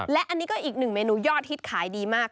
และอันนี้ก็อีกหนึ่งเมนูยอดฮิตขายดีมาก